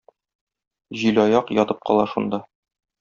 Җилаяк ятып кала шунда.